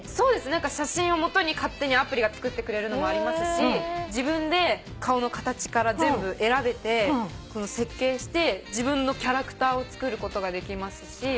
写真を基に勝手にアプリが作ってくれるのもありますし自分で顔の形から全部選べて設計して自分のキャラクターを作ることができますし。